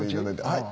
はい。